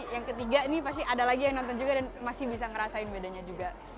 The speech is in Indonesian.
yang ketiga ini pasti ada lagi yang nonton juga dan masih bisa ngerasain bedanya juga